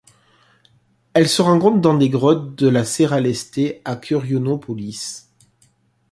Elle se rencontre dans des grottes de la Serra Leste à Curionópolis.